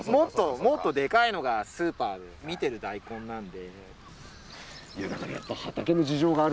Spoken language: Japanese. もっとでかいのがスーパーで見てる大根なんで。